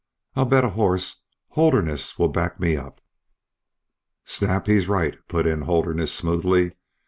I'll bet a hoss Holderness will back me up." "Snap, he's right," put in Holderness, smoothly.